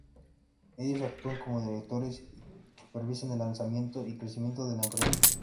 Ellos actúan como directores y supervisan el lanzamiento y crecimiento de la empresa.